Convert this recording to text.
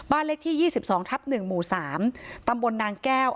เลขที่๒๒ทับ๑หมู่๓ตำบลนางแก้ว